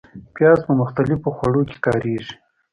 پیاز په مختلفو خوړو کې کارېږي